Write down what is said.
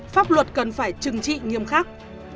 pháp luật cần phải trừng trị nghiêm khắc